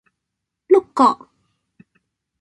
碌葛